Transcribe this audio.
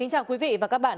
chào các bạn